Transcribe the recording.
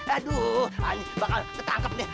aduh ane bakal ketangkep nek